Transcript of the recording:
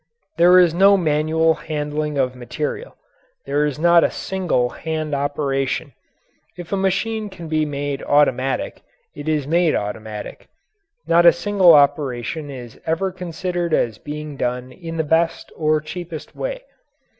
There is no manual handling of material. There is not a single hand operation. If a machine can be made automatic, it is made automatic. Not a single operation is ever considered as being done in the best or cheapest way.